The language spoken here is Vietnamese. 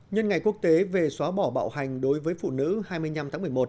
nhân ngày quốc tế về xóa bỏ bạo hành đối với phụ nữ hai mươi năm tháng một mươi một